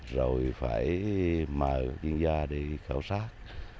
rồi phải mời chuyên gia đi khảo sát